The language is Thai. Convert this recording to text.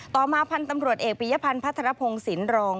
ต่อมาพันธุ์ตำรวจเอกบียพันธ์พัฒนภงศิลรองค์